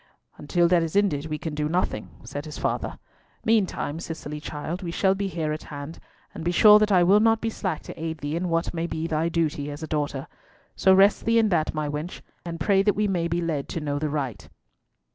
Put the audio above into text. "Until that is ended we can do nothing," said his father. "Meantime, Cicely child, we shall be here at hand, and be sure that I will not be slack to aid thee in what may be thy duty as a daughter. So rest thee in that, my wench, and pray that we may be led to know the right."